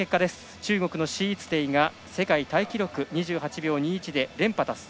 中国の史逸ていが世界タイ記録２８秒２１で連覇達成。